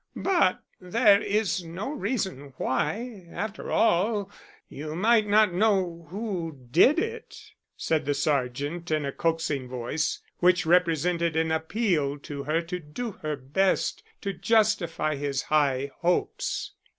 "But there is no reason why, after all, you might not know who did it," said the sergeant in a coaxing voice which represented an appeal to her to do her best to justify his high hopes.